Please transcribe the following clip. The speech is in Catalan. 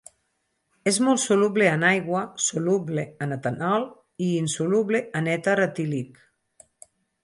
És molt soluble en aigua, soluble en etanol i insoluble en èter etílic.